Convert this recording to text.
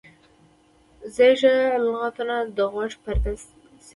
زیږه لغتونه د غوږ پرده څیري.